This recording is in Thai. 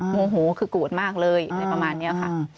โมโหคือโกรธมากเลยอะไรประมาณนี้ค่ะ